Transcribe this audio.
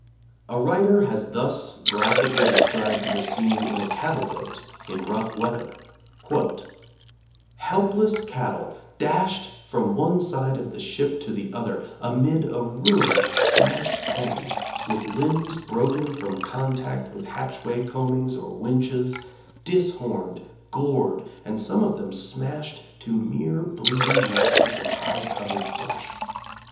A writer has thus graphically described the scene in a cattle boat in rough weather: 'Helpless cattle dashed from one side of the ship to the other, amid a ruin of smashed pens, with limbs broken from contact with hatchway combings or winches dishorned, gored, and some of them smashed to mere bleeding masses of hide covered flesh.